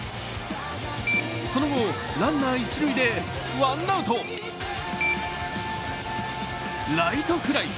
その後、ランナー一塁でワンアウトライトフライ。